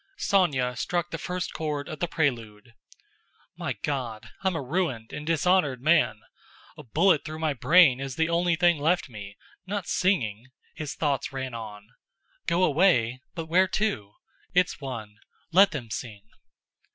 Sónya struck the first chord of the prelude. "My God, I'm a ruined and dishonored man! A bullet through my brain is the only thing left me—not singing!" his thoughts ran on. "Go away? But where to? It's one—let them sing!"